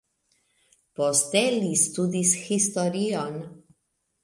Poste li studis historion.